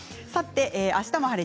「あしたも晴れ！